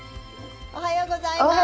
おはようございます。